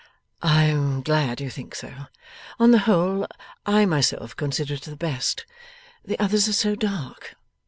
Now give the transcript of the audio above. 'I am glad you think so. On the whole, I myself consider it the best. The others are so dark.